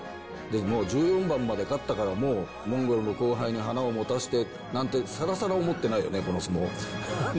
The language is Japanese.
もう１４番まで勝ったから、もうモンゴルの後輩に花を持たせてなんて、さらさら思ってないよね、この相撲。